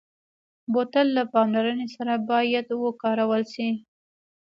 بوتل له پاملرنې سره باید وکارول شي.